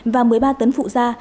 và một mươi ba tấn phụ ra